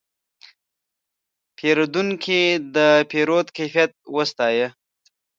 پیرودونکی د پیرود کیفیت وستایه.